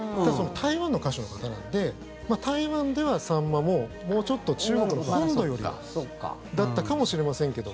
台湾の歌手の方なので台湾では、サンマももうちょっと中国の本土よりはだったかもしれませんけど。